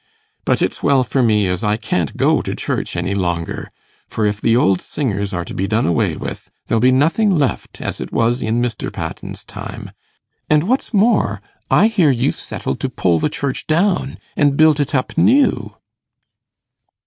But it's well for me as I can't go to church any longer, for if th' old singers are to be done away with, there'll be nothing left as it was in Mr. Patten's time; and what's more, I hear you've settled to pull the church down and build it up new?